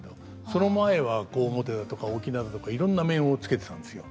その前は小面だとか翁だとかいろんな面をつけてたんですよ。